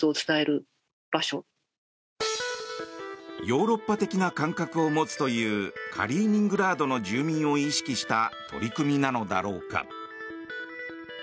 ヨーロッパ的な感覚を持つというカリーニングラードの住民を意識した取り組みなのだろうか。